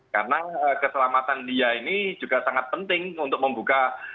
karena keselamatan dia ini juga sangat penting untuk membuka